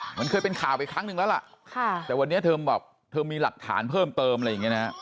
เหมือนเคยเป็นข่าวไปครั้งหนึ่งแล้วล่ะแต่วันนี้เธอบอกเธอมีหลักฐานเพิ่มเติมอะไรอย่างเงี้นะฮะ